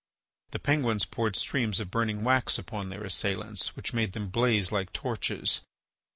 The Penguins poured streams of burning wax upon their assailants, which made them blaze like torches.